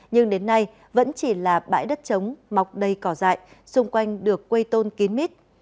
nhưng đến nay vẫn chỉ là bãi đất trống mọc đầy cỏ dại xung quanh được quây tôn kín mít